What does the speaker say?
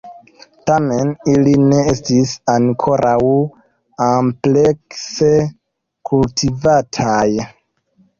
Tamen, ili ne estis ankoraŭ amplekse kultivataj.